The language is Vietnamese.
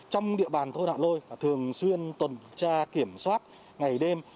trong địa bàn thôn hạ lôi thường xuyên tuần tra kiểm soát ngày đêm